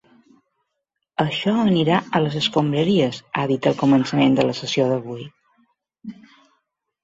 “Això anirà a les escombraries”, ha dit al començament de la sessió d’avui.